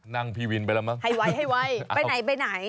นั่งพี่วินไปแล้วมั้งให้ไว่ไปไหน